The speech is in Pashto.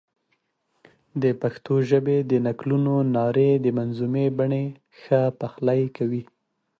د پښتو ژبې د نکلونو نارې د منظومې بڼې ښه پخلی کوي.